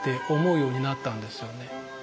思うようになったんですよね。